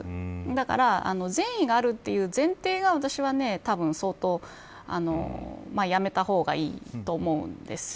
だから、善意があるという前提が私はたぶん相当やめた方がいいと思うんですよ。